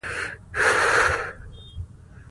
ازادي راډیو د طبیعي پېښې په اړه د خلکو پوهاوی زیات کړی.